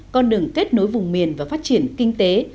con đường kết nối vùng miền và phát triển kinh tế